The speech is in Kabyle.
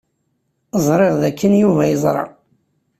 Ẓriɣ dakken Yuba yeẓra.